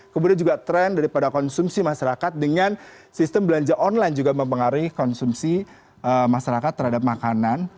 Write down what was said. kemudian juga tren daripada konsumsi masyarakat dengan sistem belanja online juga mempengaruhi konsumsi masyarakat terhadap makanan